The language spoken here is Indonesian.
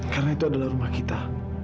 karena itu adalah rumah kita